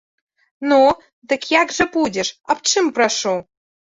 Ну, ды як жа будзе, аб чым прашу?